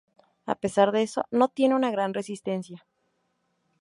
A pesar de eso, no tienen una gran resistencia.